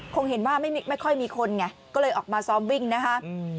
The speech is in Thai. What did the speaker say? คงเห็นว่าไม่ค่อยมีคนไงก็เลยออกมาซ้อมวิ่งนะคะ